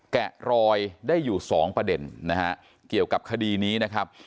แกะรอยได้อยู่สองประเด็นนะฮะเกี่ยวกับคดีนี้นะครับ